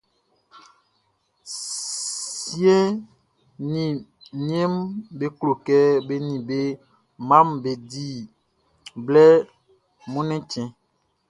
Siɛ ni niɛnʼm be klo kɛ be ni be mmaʼm be di blɛ Mɔnnɛn chtɛnʼn.